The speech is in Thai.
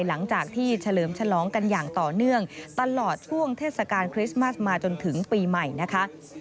หลังจากที่เฉลิมฉลองกันอย่างต่อเนื่องตลอดช่วงเทศกาลคริสต์มัสมาจนถึงปีใหม่นะคะ